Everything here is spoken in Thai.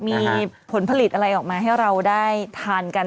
มีผลผลิตอะไรออกมาให้เราได้ทานกัน